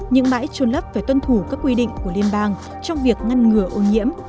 những bãi trôn lấp phải tuân thủ các quy định của liên bang trong việc ngăn ngừa ô nhiễm